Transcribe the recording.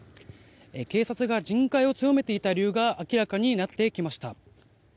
警察が巡回を強めていた理由が明らかになってきました。